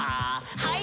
はい。